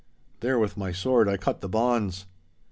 There with my sword I cut the bonds.